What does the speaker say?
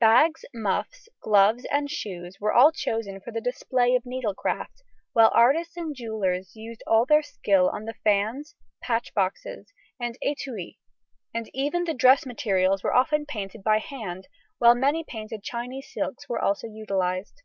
Bags, muffs, gloves, and shoes were all chosen for the display of needlecraft, while artists and jewellers used all their skill on the fans, patch boxes, and étuis, and even the dress materials were often painted by hand, while many painted Chinese silks were also utilised.